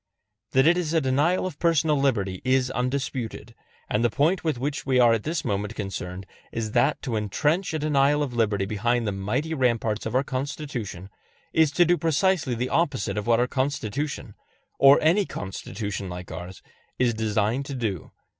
That it is a denial of personal liberty is undisputed; and the point with which we are at this moment concerned is that to entrench a denial of liberty behind the mighty ramparts of our Constitution is to do precisely the opposite of what our Constitution or any Constitution like ours is designed to do.